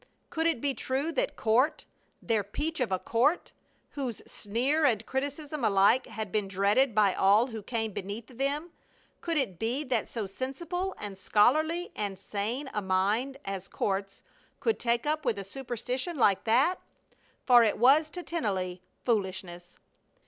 Could it be true that Court, their peach of a Court, whose sneer and criticism alike had been dreaded by all who came beneath them could it be that so sensible and scholarly and sane a mind as Court's could take up with a superstition like that? For it was to Tennelly foolishness.